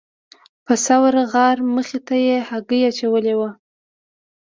د ثور غار مخې ته یې هګۍ اچولې وه.